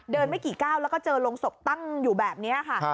ไม่กี่ก้าวแล้วก็เจอโรงศพตั้งอยู่แบบนี้ค่ะ